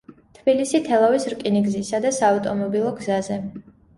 თბილისი–თელავის რკინიგზისა და საავტომობილო გზაზე.